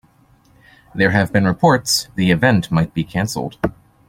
There have been reports the event might be canceled.